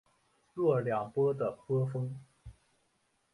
若两波的波峰。